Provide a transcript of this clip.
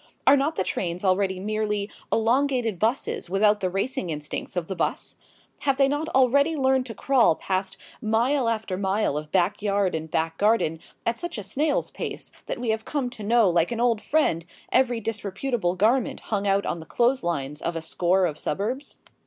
Are not the trains already merely elongated buses without the racing instincts of the bus? Have they not already learned to crawl past mile after mile of backyard and back garden at such a snail's pace that we have come to know like an old friend every disreputable garment hung out on the clothes lines of a score of suburbs?